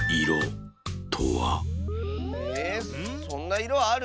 えそんないろある？